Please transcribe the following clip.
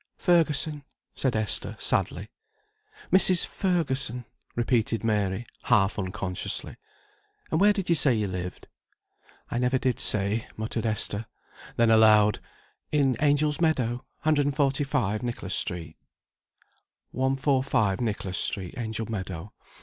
"Fergusson," said Esther, sadly. "Mrs. Fergusson," repeated Mary, half unconsciously. "And where did you say you lived?" "I never did say," muttered Esther; then aloud, "In Angel's Meadow, 145, Nicholas Street." "145, Nicholas Street, Angel Meadow.